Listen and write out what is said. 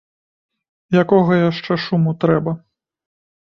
Якога яшчэ шуму трэба?